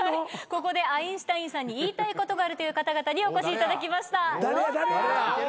ここでアインシュタインさんに言いたいことがあるという方々にお越しいただきましたどうぞ。